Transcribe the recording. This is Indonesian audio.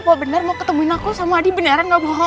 oh bener mau ketemuin aku sama adi beneran gak bohong